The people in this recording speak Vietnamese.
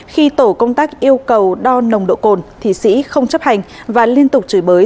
khi tổ công tác yêu cầu đo nồng độ cồn thì sĩ không chấp hành và liên tục chửi bới